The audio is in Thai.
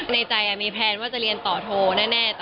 ในใจมีแพลนว่าจะเรียนต่อโทรแน่